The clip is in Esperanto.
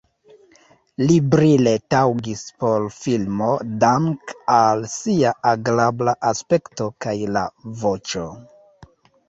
Li brile taŭgis por filmo dank‘ al sia agrabla aspekto kaj la voĉo.